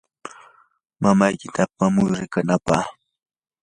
mamaykita apamuy riqinaapaq.